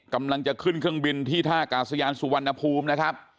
กำลังจะขึ้นเครื่องบินที่ท่ากาศยานสุวรรณภูมินะครับ